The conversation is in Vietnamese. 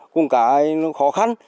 cũng cả nó khó khăn